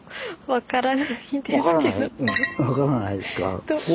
わからないですか。